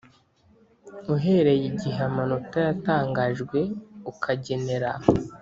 uhereye igihe amanota yatangarijwe akagenera